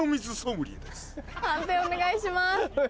判定お願いします。